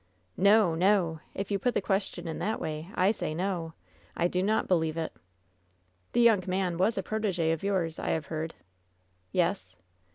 "No! no! If you put the question in that way, I say no! I do not believe it!" "The young man was a protege of yours, I have heard." "Yes."